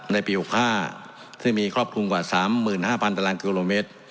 ในปี๖๕ซึ่งมีครอบคลุมกว่า๓๕๐๐ตารางกิโลเมตร